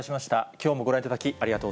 きょうもご覧いただき、ありがと